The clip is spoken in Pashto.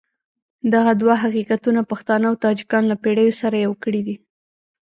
دغه دوه حقیقتونه پښتانه او تاجکان له پېړیو سره يو کړي دي.